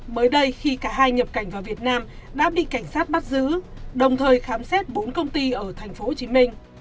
mới đây khi cả hai nhập cảnh vào việt nam đã bị cảnh sát bắt giữ đồng thời khám xét bốn công ty ở tp hcm